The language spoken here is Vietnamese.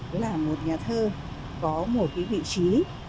đấy là một nhà thơ có một cái vị trí